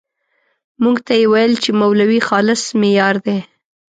موږ ته یې ويل چې مولوي خالص مې يار دی.